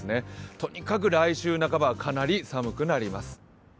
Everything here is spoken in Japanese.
とにかく来週半ばはかなり寒くなります。